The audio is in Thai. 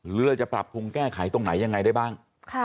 เรือจะปรับคุณแก้ไขตรงไหนได้บ้าง